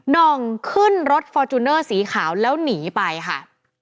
่องขึ้นรถฟอร์จูเนอร์สีขาวแล้วหนีไปค่ะ